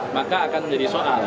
maka akan menjadi soal